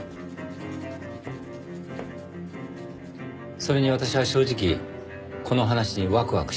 それに私は正直この話にワクワクしている。